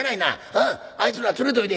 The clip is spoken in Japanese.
うんあいつら連れといで。